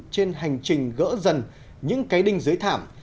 trên hành trình gỡ dần những cái đinh dưới thảm